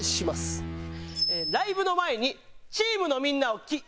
ライブの前にチームのみんなをきっ。